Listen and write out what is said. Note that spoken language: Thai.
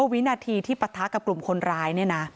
วินาทีที่ปะทะกับกลุ่มคนร้าย